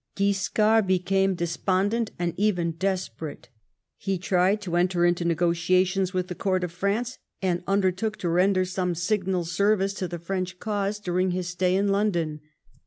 Guiscard became despondent and even desperate. He tried to enter into negotiations with the court of France, and undertook to render some signal service to the French cause during his stay in London.